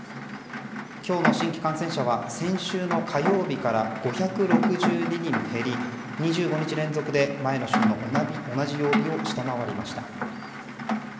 今日の新規感染者は先週の火曜日から５６２人減り、２５日連続で前の週の同じ曜日を下回りました。